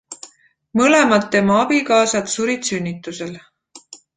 Mõlemad tema abikaasad surid sünnitusel.